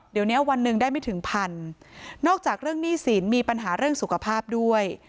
เดี๋ยวเนี้ยวันหนึ่งได้ไม่ถึงพันนอกจากเรื่องหนี้สินมีปัญหาเรื่องสุขภาพด้วย